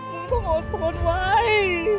หนูต้องอดทนไว้